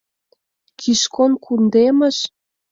Кишкон кундемыш?